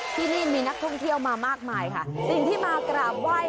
ที่นี่มีนักท่องเที่ยวมามากมายค่ะ